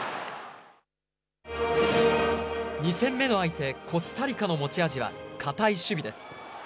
２戦目の相手、コスタリカの持ち味は堅い守備です。